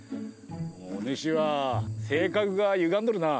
お主は性格がゆがんどるな。